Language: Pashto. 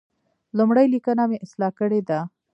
لومړۍ لیکنه مې اصلاح کړې ده.